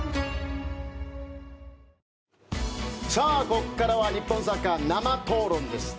ここからは日本サッカー生討論です。